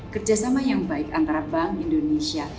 kerjasama yang baik antara bank indonesia